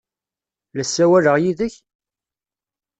La ssawaleɣ yid-k!